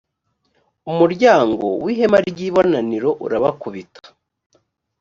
umuryango w ihema ry ibonaniro urabakubita